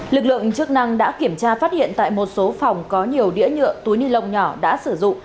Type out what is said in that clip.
lực lượng chức năng đã kiểm tra phát hiện tại một số phòng có nhiều đĩa nhựa túi ni lông nhỏ đã sử dụng